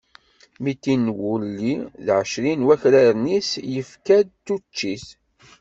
Mitin n wulli d ɛecrin n wakraren i s-yefka d tuččit.